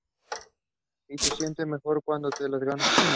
Y se siente mejor cuando te lo ganas.